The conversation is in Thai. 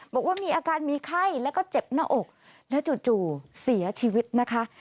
บอกว่ามีอาการมีไข้แล้วก็เจ็บหน้าอกแล้วจู่เสียชีวิตนะคะ